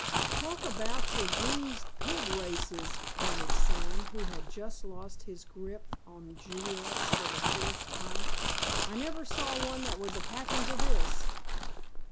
"Talk about your greased pig races," panted Sam, who had just lost his grip on Juliet for the fourth time, "I never saw one that was a patchin' to this!"